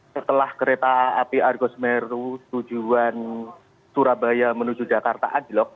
setelah kereta api argo semeru tujuan surabaya menuju jakarta anjlok